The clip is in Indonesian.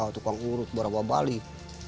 tukang urut berapa balik